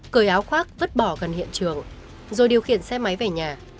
cởi áo khoác vứt bỏ gần hiện trường rồi điều khiển xe máy về nhà